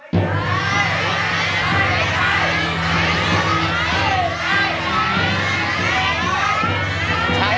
ไม่ใช่